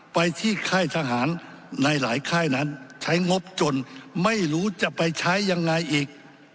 ไปที่ค่ายทหารในหลายค่ายนั้นใช้งบจนไม่รู้จะไปใช้ยังไงอีก